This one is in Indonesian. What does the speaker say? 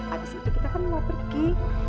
abis itu kita kan mau pergi